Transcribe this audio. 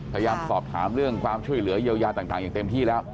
พยายามสอบถามเรื่องความช่วยเหลือเยียวยาต่างอย่างเต็มที่แล้ว